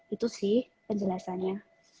itu sih penjelasannya